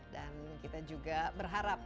dan kita juga berharap